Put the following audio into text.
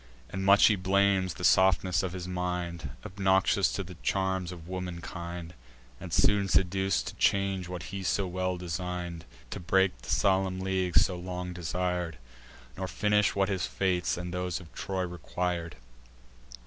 And much he blames the softness of his mind, Obnoxious to the charms of womankind, And soon seduc'd to change what he so well design'd; To break the solemn league so long desir'd, Nor finish what his fates, and those of Troy, requir'd.